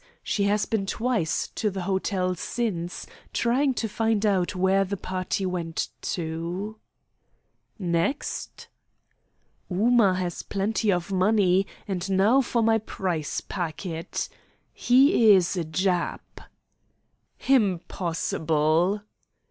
She has been twice to the hotel since, trying to find out where the party went to." "Next?" "Ooma has plenty of money, and now for my prize packet he is a Jap!" "Impossible!"